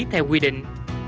theo quy định